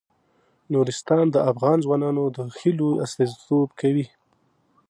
نورستان د افغان ځوانانو د هیلو استازیتوب کوي.